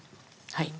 はい。